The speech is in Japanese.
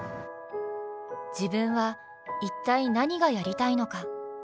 自分は一体何がやりたいのか。